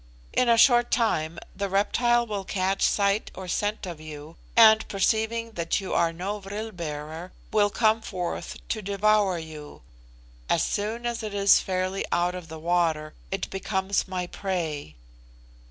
In a short time the reptile will catch sight or scent of you, and perceiving that you are no vril bearer, will come forth to devour you. As soon as it is fairly out of the water, it becomes my prey."